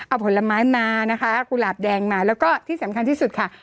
เอาผลไม้มานะคะกุหลาบแดงมาแล้วก็ที่สำคัญที่สุดค่ะ